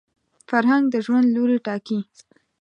فرهنګ د ژوند لوري ټاکي